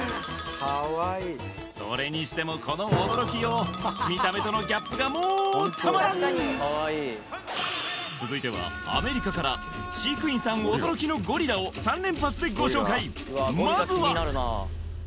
それにしてもこの驚きよう見た目とのギャップがもうたまらん続いてはアメリカから飼育員さん驚きのゴリラを３連発でご紹介